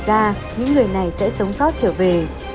có phép màu xảy ra những người này sẽ sống sót trở về